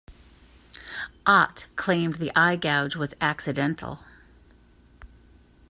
Ott claimed the eye gouge was accidental.